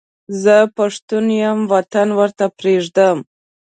زه پښتون یم وطن ورته پرېږدم.